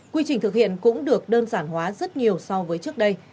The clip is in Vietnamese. quy trình thực hiện cũng được đơn giản hóa rất nhiều so với trước đây